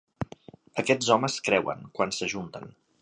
Aquests homes creuen, quan s'ajunten.